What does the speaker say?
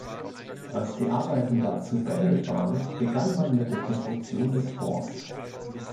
Als die Arbeiten dazu beendet waren, begann man mit der Konstruktion des Forts.